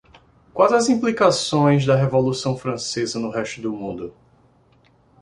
Quais as implicações da Revolução Francesa no resto do mundo?